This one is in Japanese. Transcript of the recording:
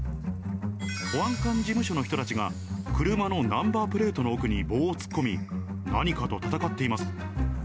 保安官事務所の人たちが、車のナンバープレートの奥に棒を突っ込み、何かと戦っています。